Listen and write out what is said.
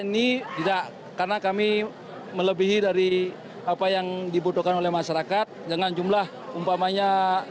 ini tidak karena kami melebihi dari apa yang dibutuhkan oleh masyarakat dengan jumlah umpamanya